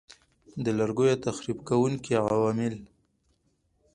د لرګیو تخریب کوونکي عوامل